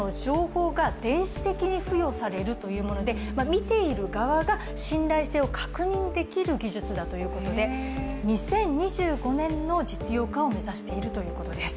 見ている側が信頼性を確認できる技術だということで２０２５年の実用化を目指しているということです。